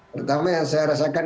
pertama yang saya rasakan